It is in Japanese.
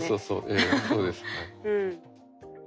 ええそうですはい。